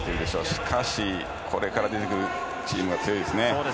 しかし、これから出てくるチームは強いですね。